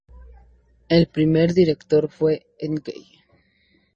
El primer director fue Encke.